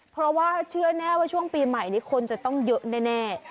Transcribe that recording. เพราะว่าเชื่อแน่ว่าช่วงปีใหม่นี้คนจะต้องเยอะแน่